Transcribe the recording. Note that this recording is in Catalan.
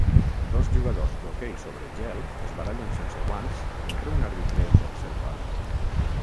Dos jugadors d'hoquei sobre gel es barallen sense guants mentre un àrbitre els observa.